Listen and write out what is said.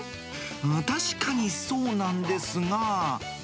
確かにそうなんですが。